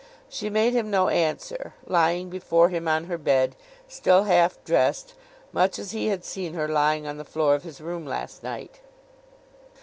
She made him no answer, lying before him on her bed, still half dressed, much as he had seen her lying on the floor of his room last night.